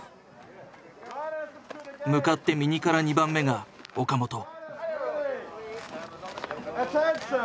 向かって右から２番目が岡本。